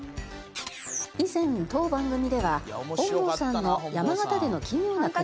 以前当番組では本坊さんの山形での奇妙な暮らしを取材。